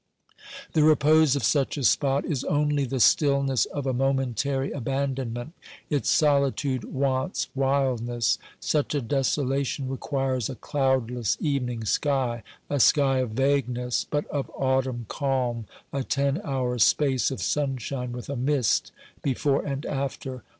The repose of such a spot is only the stillness of a momentary abandonment ; its solitude wants wildness. Such a desolation requires a cloudless evening sky, a sky of vagueness but of autumn calm, a ten hours' space of sunshine with a mist before and after.